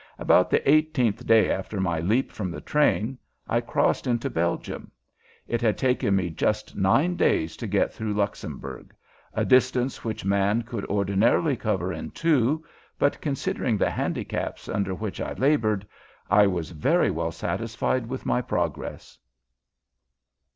About the eighteenth day after my leap from the train I crossed into Belgium. It had taken me just nine days to get through Luxembourg a distance which a man could ordinarily cover in two, but, considering the handicaps under which I labored, I was very well satisfied with my progress.